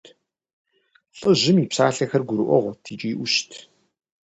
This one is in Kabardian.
ЛӀыжьым и псалъэхэр гурыӀуэгъуэт икӀи Ӏущт.